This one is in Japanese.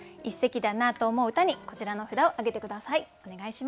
一席だなと思う歌にこちらの札をあげて下さい。